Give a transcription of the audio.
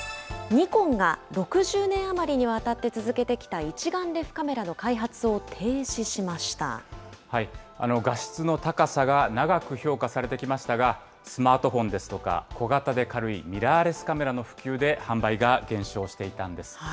ニコンが、６０年余りにわたって続けてきた一眼レフカメラの開発を停止しま画質の高さが長く評価されてきましたが、スマートフォンですとか、小型で軽いミラーレスカメラの普及で、販売が減少していたんです。